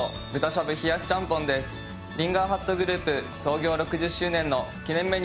リンガーハットグループ創業６０周年の記念メニューです。